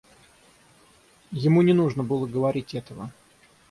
Ему не нужно было говорить этого.